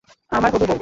আমার হবু বউ।